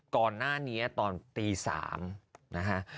ก่อนหน้านี้ตอนตี๓นะฮะ